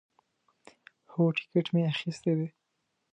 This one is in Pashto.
هو، ټیکټ می اخیستی دی